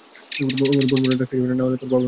ওকে বোন বলে ডাকতে যাবি না, না হলে তোর পা ভেঙ্গে দিব।